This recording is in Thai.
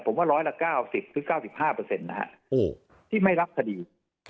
ผมว่า๑๐๐ละ๙๐ก็๙๕นะครับที่ไม่รับขดี